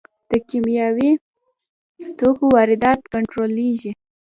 د کیمیاوي توکو واردات کنټرولیږي؟